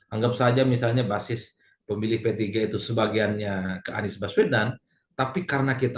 anggap saja misalnya basis pemilih p tiga itu sebagiannya ke anies baswedan tapi karena kita